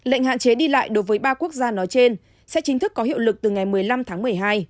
lệnh hạn chế đi lại đối với ba quốc gia nói trên sẽ chính thức có hiệu lực từ ngày một mươi năm tháng một mươi hai